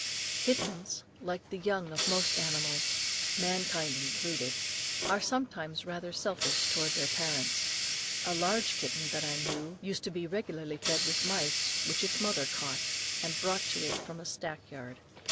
Kittens, like the young of most animals mankind included are sometimes rather selfish towards their parents. A large kitten that I knew, used to be regularly fed with mice which its mother caught and brought to it from a stack yard.